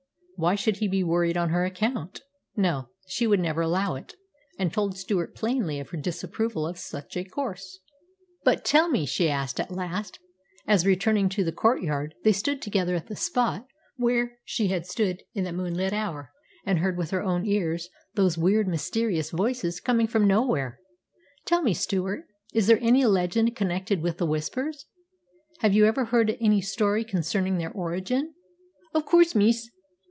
Why should he be worried on her account? No, she would never allow it, and told Stewart plainly of her disapproval of such a course. "But, tell me," she asked at last, as returning to the courtyard, they stood together at the spot where she had stood in that moonlit hour and heard with her own ears those weird, mysterious voices coming from nowhere "tell me, Stewart, is there any legend connected with the Whispers? Have you ever heard any story concerning their origin?" "Of coorse, miss.